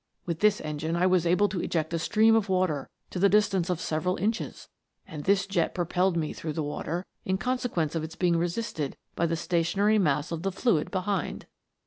With this engine I was able to eject a stream of water to the distance of several inches ; and this jet propelled me through the water, in consequence of its being resisted by the station ary mass of the fluid behind.